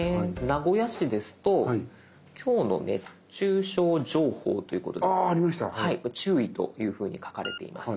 名古屋市ですと「きょうの熱中症情報」ということで注意というふうに書かれています。